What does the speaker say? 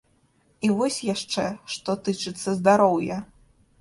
І вось яшчэ што тычыцца здароўя.